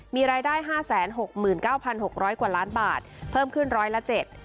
มีรายได้ห้าแสนหกหมื่นเก้าพันหกร้อยกว่าล้านบาทเพิ่มขึ้นร้อยละเจ็ด